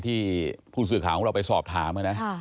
ที่ผู้สื่อข่าวของเราไปสอบถามนะ